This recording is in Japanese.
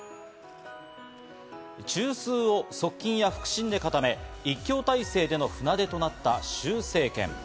中枢を側近や腹心で固め、一強体制での船出となったシュウ政権。